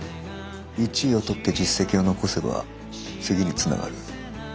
１位を取って実績を残せば次につながる。